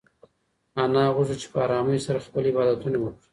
انا غوښتل چې په ارامۍ سره خپل عبادتونه وکړي.